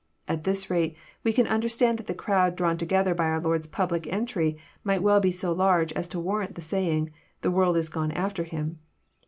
At this rate we can un derstand that the crowd drawn together by our Lord's public en try might well be so large as to warrant the saying, The world is gone after him."